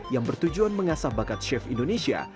yang bertujuan mengasah bakat chef indonesia